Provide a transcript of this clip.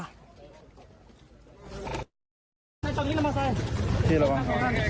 เตอร์เป็นคนยิงไหม